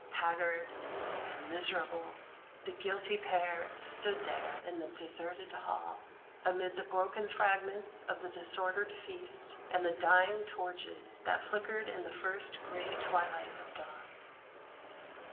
Haggard and miserable, the guilty pair stood there in the deserted hall, amid the broken fragments of the disordered feast and the dying torches that flickered in the first gray twilight of dawn.